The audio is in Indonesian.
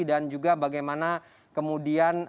dan juga bagaimana kemudian